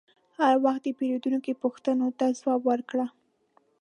هر وخت د پیرودونکي پوښتنو ته ځواب ورکړه.